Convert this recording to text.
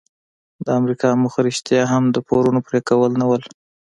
د امریکا موخه رښتیا هم د پورونو پریکول نه وو.